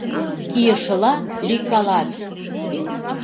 Кийышыла лӱйкалат.